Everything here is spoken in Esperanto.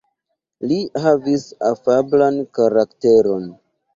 Li havis afablan karakteron.